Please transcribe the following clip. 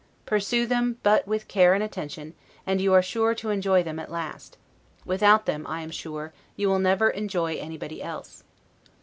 Pursue them but with care and attention, and you are sure to enjoy them at last: without them, I am sure, you will never enjoy anybody else.